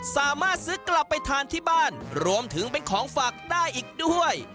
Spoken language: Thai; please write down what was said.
สามารถซื้อกลับไปทานที่บ้านรวมถึงเป็นของฝากได้อีกด้วย